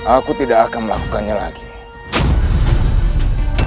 aku tidak akan melakukan nyelamatmu